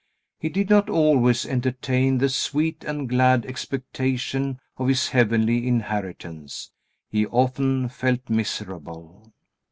He did not always entertain the sweet and glad expectation of his heavenly inheritance. He often felt miserable.